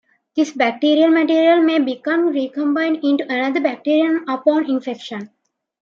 This bacterial material may become recombined into another bacterium upon infection.